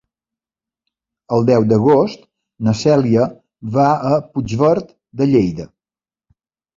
El deu d'agost na Cèlia va a Puigverd de Lleida.